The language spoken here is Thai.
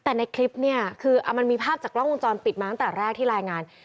แต่ในคลิปเนี่ยคือมันมีภาพจากกล้องวงจรปิดมาตั้งแต่แรกที่รายงาน